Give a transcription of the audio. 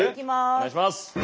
お願いします！